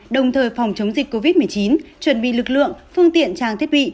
đồng thời phòng chống dịch covid một mươi chín chuẩn bị lực lượng phương tiện trang thiết bị